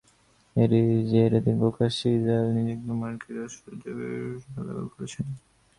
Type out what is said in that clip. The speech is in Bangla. এরই জেরে তিনি প্রকাশ্যে ইসরায়েলে নিযুক্ত মার্কিন রাষ্ট্রদূত ডেভিড ফ্রিডম্যানকে গালাগাল করেছেন।